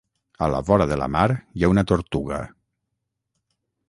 A la vora de la mar hi ha una tortuga.